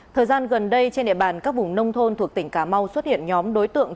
thời gian gần đây trên địa bàn các vùng nông thôn thuộc tỉnh cà mau xuất hiện nhóm đối tượng